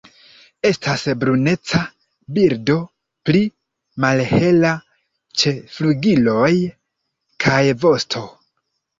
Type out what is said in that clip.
Estas bruneca birdo pli malhela ĉe flugiloj kaj vosto.